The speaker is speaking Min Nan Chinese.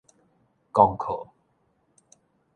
功課